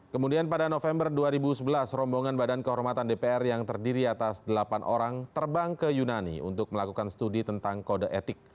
kemudian pada november dua ribu sebelas rombongan badan kehormatan dpr yang terdiri atas delapan orang terbang ke yunani untuk melakukan studi tentang kode etik